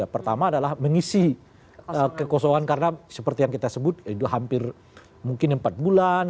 pertama adalah mengisi kekosongan karena seperti yang kita sebut itu hampir mungkin empat bulan